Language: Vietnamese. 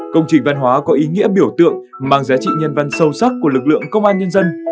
công trình văn hóa có ý nghĩa biểu tượng mang giá trị nhân văn sâu sắc của lực lượng công an nhân dân